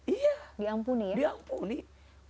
iya diampuni ya